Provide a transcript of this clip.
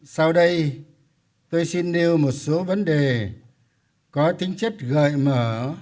sau đây tôi xin nêu một số vấn đề có tính chất gợi mở